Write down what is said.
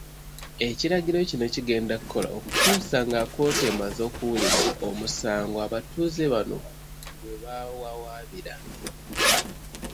Ekiragiro kino kigenda kukola okutuusa nga kkooti emaze okuwulira omusango abatuuze bano gwe baawawaabira.